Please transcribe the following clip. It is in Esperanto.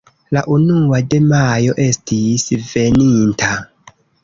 La unua de Majo estis veninta.